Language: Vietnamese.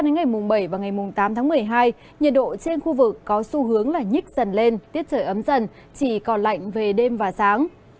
nhiệt độ trên khu vực có xu hướng là nhích dần lên tiết trời ấm dần chỉ còn lạnh về đêm và sáng